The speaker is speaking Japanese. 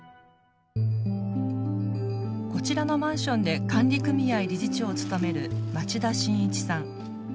こちらのマンションで管理組合理事長を務める町田信一さん。